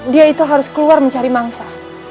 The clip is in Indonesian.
dia itu harus keluar mencari mangsa